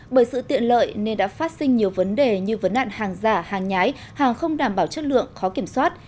bởi sự tiện lợi nên đã phát sinh nhiều vấn đề như vấn đạn hàng giả hàng nhái hàng không đảm bảo chất lượng khó kiểm soát